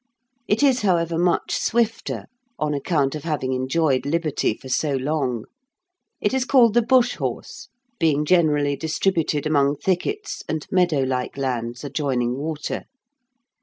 It is, however, much swifter, on account of having enjoyed liberty for so long. It is called the bush horse, being generally distributed among thickets and meadow like lands adjoining water.